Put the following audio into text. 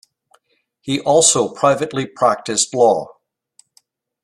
He also privately practiced law.